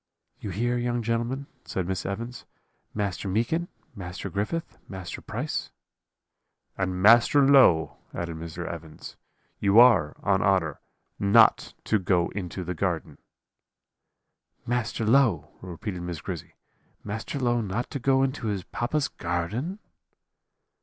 "'You hear, young gentlemen,' said Miss Evans; 'Master Meekin, Master Griffith, Master Price ' "'And Master Low,' added Mr. Evans, 'you are, on honour, not to go into the garden.' "'Master Low!' repeated Miss Grizzy; 'Master Low not to go into his papa's garden?'